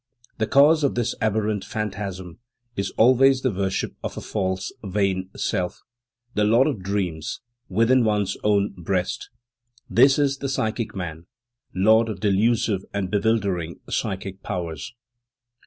The cause of this aberrant phantasm is always the worship of a false, vain self, the lord of dreams, within one's own breast. This is the psychic man, lord of delusive and bewildering psychic powers.